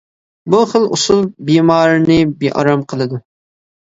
بۇ خىل ئۇسۇل بىمارنى بىئارام قىلىدۇ.